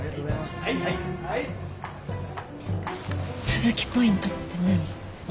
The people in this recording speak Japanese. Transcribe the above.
都築ポイントって何？